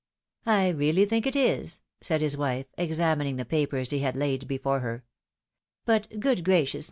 " I really think it is," said his wife, examining the papers he had laid before her. " But good gracious.